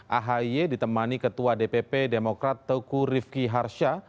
ahy ditemani ketua dpp demokrat teguh rifki harsya